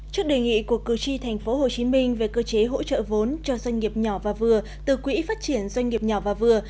trước đề nghị của cử tri tp hcm về cơ chế hỗ trợ vốn cho doanh nghiệp nhỏ và vừa từ quỹ phát triển doanh nghiệp nhỏ và vừa